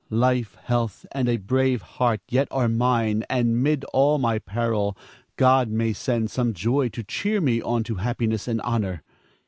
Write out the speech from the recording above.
Life, health, and a brave heart yet are mine; and 'mid all my peril, God may send some joy to cheer me on to happiness and honor.